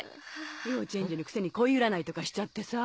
幼稚園児のくせに恋占いとかしちゃってさ。